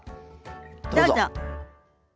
どうぞ。